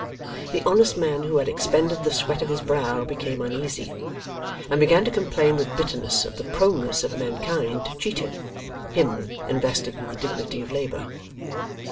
The honest man who had expended the sweat of his brow became uneasy, and began to complain with bitterness of the proneness of mankind to cheat him him invested with the dignity of Labour!